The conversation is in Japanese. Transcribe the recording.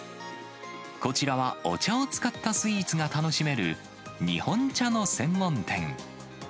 こちらはお茶を使ったスイーツが楽しめる日本茶の専門店。